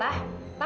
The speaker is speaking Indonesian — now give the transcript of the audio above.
udah deh pa